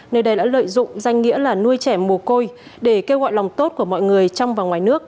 nơi đây đã lợi dụng danh nghĩa là nuôi trẻ mồ côi để kêu gọi lòng tốt của mọi người trong và ngoài nước